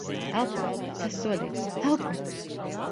Elpo. Sasodīts. Elpo!